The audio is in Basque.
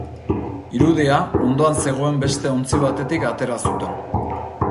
Irudia, ondoan zegoen beste ontzi batetik atera zuten.